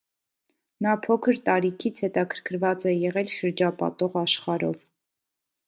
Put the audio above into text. Նա փոքր տարիքից հետաքրքրված է եղել շրջապատող աշխարհով։